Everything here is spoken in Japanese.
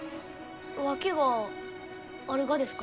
訳があるがですか？